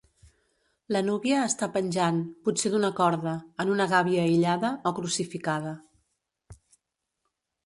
La núvia està penjant, potser d'una corda, en una gàbia aïllada, o crucificada.